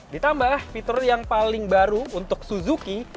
ditambah fitur yang paling baru untuk suzuki